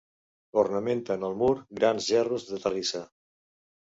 Ornamenten el mur grans gerros de terrissa.